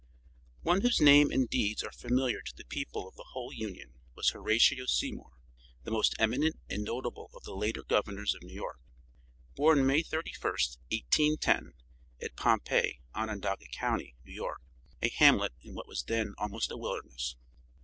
One whose name and deeds are familiar to the people of the whole Union was Horatio Seymour, the most eminent and notable of the later Governors of New York. Born May 31st, 1810, at Pompey, Onondaga county, New York; a hamlet in what was then almost a wilderness.